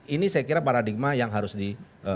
ini saya kira paradigma yang harus di